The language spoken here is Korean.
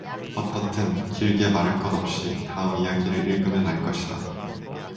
어떻든 길게 말할 것 없이 다음 이야기를 읽으면 알 것이다.